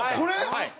はい。